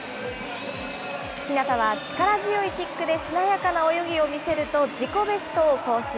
日向は力強いキックでしなやかな泳ぎを見せると、自己ベストを更新。